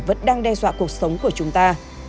vẫn đang đe dọa cuộc sống của chúng ta